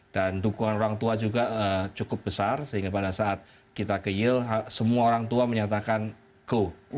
dan dukungan orang tua juga cukup besar sehingga pada saat kita ke yale semua orang tua menyatakan go